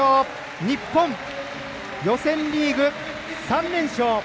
日本、予選リーグ３連勝！